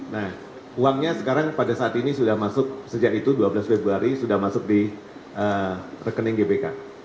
nah uangnya sekarang pada saat ini sudah masuk sejak itu dua belas februari sudah masuk di rekening gbk